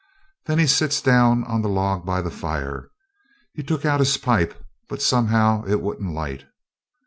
Then he sits down on the log by the fire. He took out his pipe, but somehow it wouldn't light.